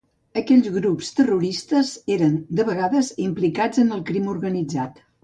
Aquells grups terroristes eren de vegades implicats en el crim organitzat.